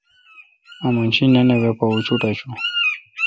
امن شی نِن اے وے پا اچوٹ آݭوں۔